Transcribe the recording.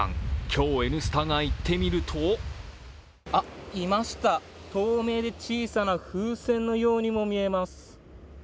今日「Ｎスタ」が行ってみるとあっ、いました、透明で小さな風船のようにも見えます。